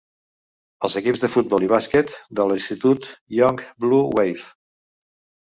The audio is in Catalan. Els equips de futbol i bàsquet de l'Institut Yonge Blue Wave.